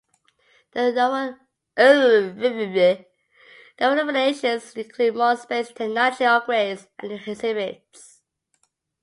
The renovations include more space, technology upgrades and new exhibits.